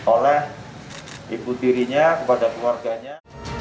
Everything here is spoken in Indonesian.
oleh ibu tirinya kepada keluarganya